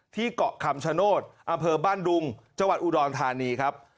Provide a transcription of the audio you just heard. ที่เกาะคำชโนธอเผอบ้านดุงจวัตรอุดรธานีครับ